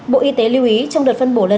bộ y tế lưu ý trong đợt phân bổ lần